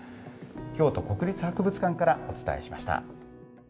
京都国立博物館からお伝えしました。